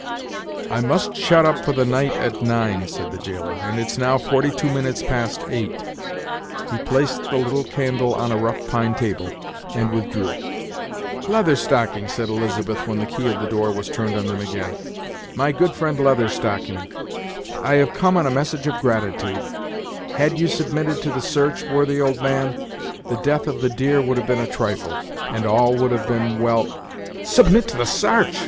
"I must shut up for the night at nine," said the jailer, "and it's now forty two minutes past eight." He placed the little candle on a rough pine table, and withdrew. "Leather Stocking!" said Elizabeth, when the key of the door was turned on them again, "my good friend, Leather Stocking! I have come on a message of gratitude. Had you submitted to the search, worthy old man, the death of the deer would have been a trifle, and all would have been well " "Submit to the sarch!"